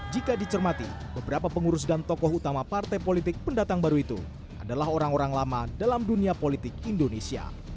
jika dicermati beberapa pengurus dan tokoh utama partai politik pendatang baru itu adalah orang orang lama dalam dunia politik indonesia